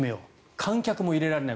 観客も入れられない。